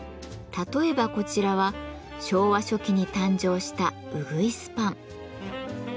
例えばこちらは昭和初期に誕生したうぐいすパン。